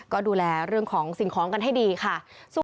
ก็ดูแลเรื่องของสิ่งของกันให้ดีค่ะ